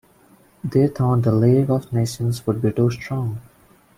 They thought the League of Nations would be too strong.